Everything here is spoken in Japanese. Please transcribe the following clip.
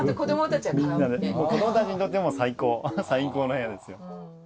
子供たちにとっても最高最高の部屋ですよ。